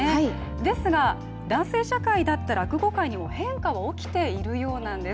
ですが男性社会だった落語界にも変化は起きているようなんです。